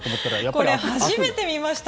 これ、初めて見ました。